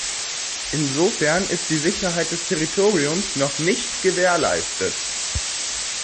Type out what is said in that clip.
Insofern ist die Sicherheit des Territoriums noch nicht gewährleistet.